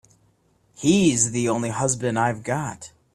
He's the only husband I've got.